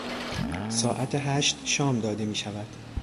ساعت هشت شام داده میشود.